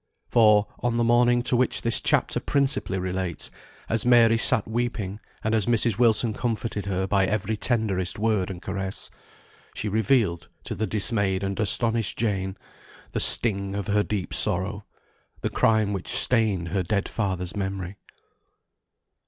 For on the morning to which this chapter principally relates, as Mary sat weeping, and as Mrs. Wilson comforted her by every tenderest word and caress, she revealed to the dismayed and astonished Jane, the sting of her deep sorrow; the crime which stained her dead father's memory.